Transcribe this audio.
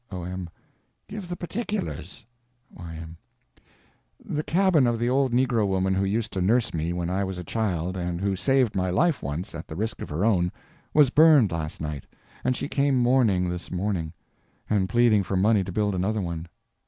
O.M. Give the particulars. Y.M. The cabin of the old negro woman who used to nurse me when I was a child and who saved my life once at the risk of her own, was burned last night, and she came mourning this morning, and pleading for money to build another one.